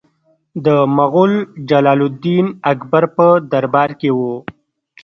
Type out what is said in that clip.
د مغول جلال الدین اکبر په دربار کې و.